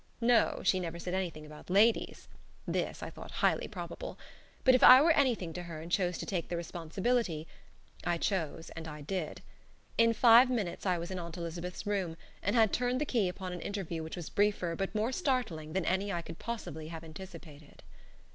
No, she never said anything about ladies. (This I thought highly probable.) But if I were anything to her and chose to take the responsibility I chose and I did. In five minutes I was in Aunt Elizabeth's room, and had turned the key upon an interview which was briefer but more startling than I could possibly have anticipated.